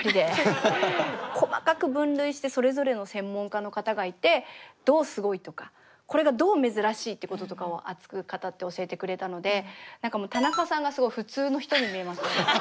細かく分類してそれぞれの専門家の方がいてどうすごいとかこれがどう珍しいってこととかを熱く語って教えてくれたので何かもう田中さんがすごい普通の人に見えましたよね。